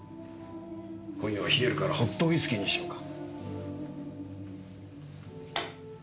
今夜は冷えるからホットウイスキーにしようか。